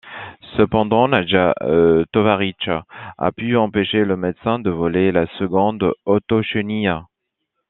Cependant Nadja Tovaritch a pu empêcher le médecin de voler la seconde autochenille.